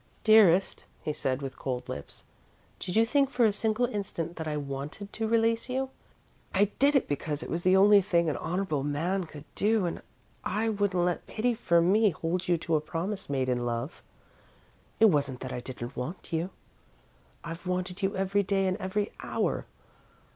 "Dearest," he said, with cold lips, "did you think for a single instant that I wanted to release you? I did it because it was the only thing an honourable man could do and I wouldn't let pity for me hold you to a promise made in love. It wasn't that I didn't want you. I've wanted you every day and every hour.